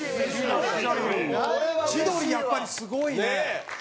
蛍原：千鳥、やっぱりすごいね。